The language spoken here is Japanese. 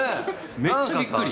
めっちゃびっくり。